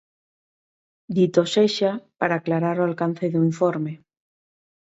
Dito sexa, para aclarar o alcance do informe.